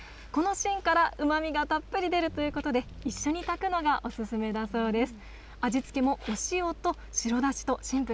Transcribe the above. この芯からうまみがたっぷり出るということで、一緒に炊くのがお勧めだそうです。